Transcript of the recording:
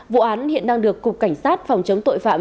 vụ án hiện đang được cục cảnh sát phòng chống tội phạm